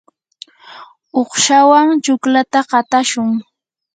uqshawan chuklata qatashun.